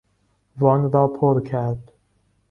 وان را پر کرد.